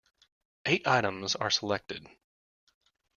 Eight items are selected.